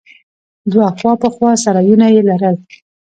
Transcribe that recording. دوه خوا په خوا سرايونه يې لرل.